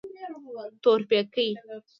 تورپيکۍ.